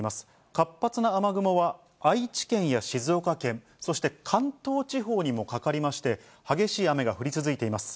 活発な雨雲は、愛知県や静岡県、そして関東地方にもかかりまして、激しい雨が降り続いています。